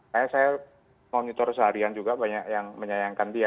makanya saya monitor seharian juga banyak yang menyayangkan dia